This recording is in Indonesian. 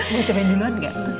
mau cobain duluan gak